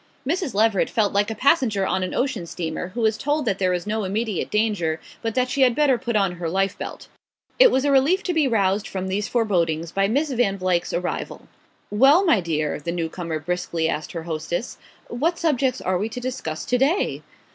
Mrs. Leveret felt like a passenger on an ocean steamer who is told that there is no immediate danger, but that she had better put on her life belt. It was a relief to be roused from these forebodings by Miss Van Vluyck's arrival. "Well, my dear," the new comer briskly asked her hostess, "what subjects are we to discuss to day?"